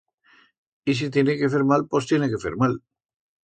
Y si tiene que fer mal pos tiene que fer mal.